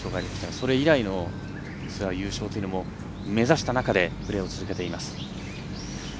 それ以来のツアー優勝というのも目指した中でプレーを続けています。